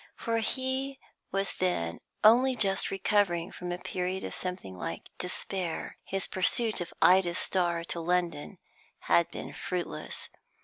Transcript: For he was then only just recovering from a period of something like despair. His pursuit of Ida Starr to London had been fruitless.